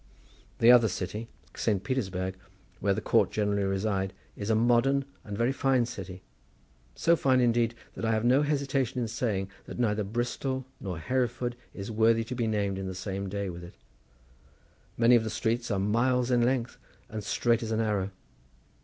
The other city, Saint Petersburg, where the court generally reside, is a modern and very fine city; so fine indeed, that I have no hesitation in saying that neither Bristol nor Hereford is worthy to be named in the same day with it. Many of the streets are miles in length and straight as an arrow.